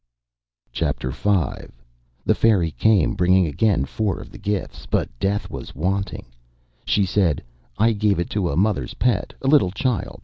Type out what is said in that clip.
Chapter V The fairy came, bringing again four of the gifts, but Death was wanting. She said: "I gave it to a mother's pet, a little child.